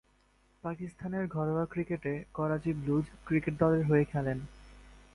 পাকিস্তানের ঘরোয়া ক্রিকেটে করাচি ব্লুজ ক্রিকেট দলের হয়ে খেলেন।